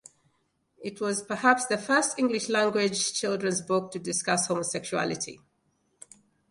It was perhaps the first English-language children's book to discuss homosexuality.